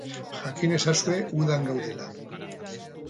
Jakin ezazue udan gaudela.